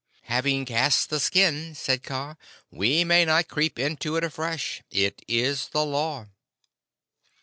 "Having cast the skin," said Kaa, "we may not creep into it afresh. It is the Law."